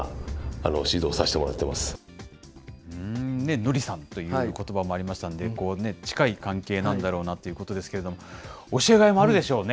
ノリさんということばもありましたんで、近い関係なんだろうなということですけれども、教えがいもあるでしょうね。